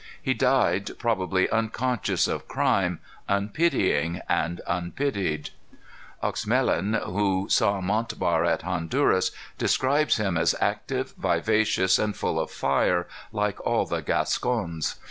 He died probably unconscious of crime, unpitying and unpitied. "Oexemelin, who saw Montbar at Honduras, describes him as active, vivacious, and full of fire, like all the Gascons.